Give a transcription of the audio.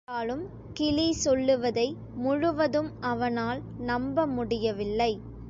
இருந்தாலும் கிளி சொல்லுவதை முழுவதும் அவனால் நம்ப முடியவில்லை.